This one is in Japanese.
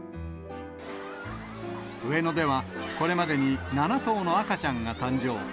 上野では、これまでに７頭の赤ちゃんが誕生。